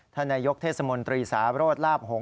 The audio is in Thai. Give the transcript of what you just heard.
ธนยกเทศสมนตรีศาลอสลาบหงษ์ทอง